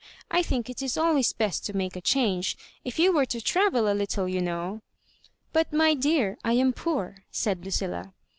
I think it is always best to make a change. If you were to travel a little, you know "" But, my dear, I am poor,'* said Lucilla.